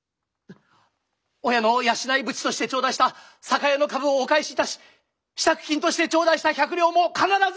親の養いぶちとして頂戴した酒屋の株をお返しいたし支度金として頂戴した百両も必ず！